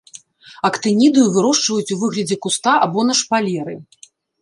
Актынідыю вырошчваюць у выглядзе куста або на шпалеры.